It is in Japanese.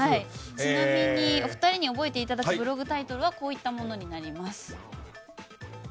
ちなみにお二人に覚えていただくブログタイトルはこういったものになります。